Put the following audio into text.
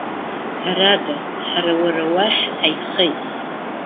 Ҳәарада, ҳара уара уахь ҳаихеит.